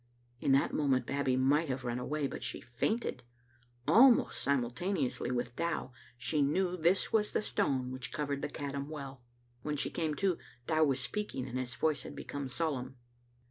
In that moment Babbie might have run away, but she fainted. Almost simultaneously with Dow She knew this was the stone which covered the Caddam well. When she came to, Dow was speak ing, and his voice had become solemn.